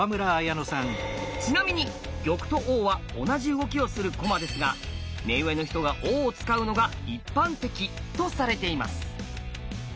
ちなみに玉と王は同じ動きをする駒ですが目上の人が王を使うのが一般的とされています。